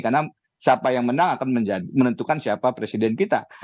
karena siapa yang menang akan menentukan siapa presiden kita